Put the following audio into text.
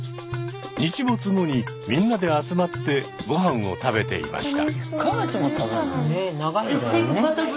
日没後にみんなで集まってごはんを食べていました。